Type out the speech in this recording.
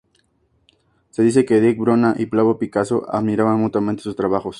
Se dice que Dick Bruna y Pablo Picasso admiraban mutuamente sus trabajos.